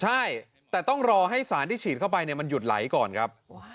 ใช่แต่ต้องรอให้สารที่ฉีดเข้าไปมันหยุดไหลก่อนครับ